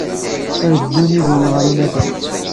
Ad ddun yid-wen ɣer unafag.